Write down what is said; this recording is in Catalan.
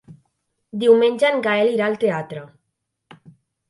Diumenge en Gaël irà al teatre.